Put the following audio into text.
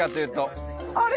あれ？